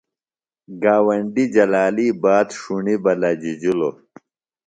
گاونڈیۡ جلالی بات ݜُݨیۡ بہ لجِجلوۡ۔